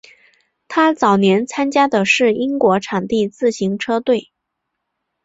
他早年参加的是英国场地自行车队。